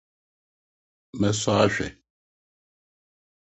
Mesɔ ahwɛ